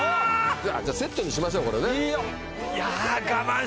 じゃあセットにしましょうこれね。